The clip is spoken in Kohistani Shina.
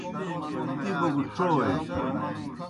دِبوْ گہ ڇوئے۔